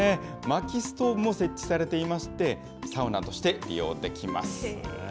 まきストーブも設置されていまして、サウナとして利用できます。